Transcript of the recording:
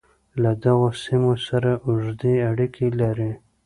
له دغو سیمو سره اوږدې اړیکې لرلې.